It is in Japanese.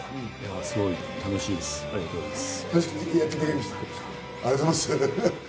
すごく楽しいです、ありがとうございます。